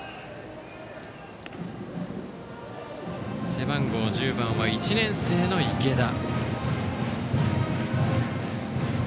背番号１０番は１年生の池田。